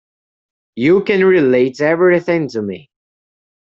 You can relate everything to me.